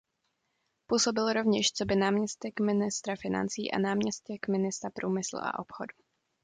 Působil rovněž coby náměstek ministra financí a náměstek ministra průmyslu a obchodu.